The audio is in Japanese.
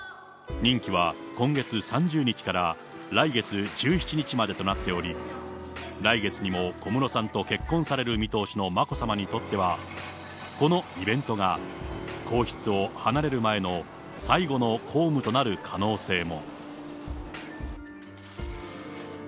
任期は今月３０日から、来月１７日までとなっており、来月にも小室さんと結婚される見通しの眞子さまにとっては、このイベントが皇室を離れる前の最後の公務となる可能性も。